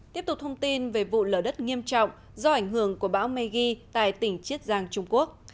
tiếp tục thông tin về vụ lở đất nghiêm trọng do ảnh hưởng của bão megi tại tỉnh chiết giang trung quốc